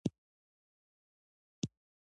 حکم د مشر د پریکړې نښه ده